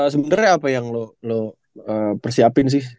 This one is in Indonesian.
sebenernya apa yang lu persiapin sih